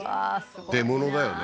出物だよね